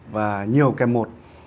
và nhiều kèm một